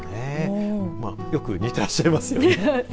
まあ、よく似ていらっしゃいますね。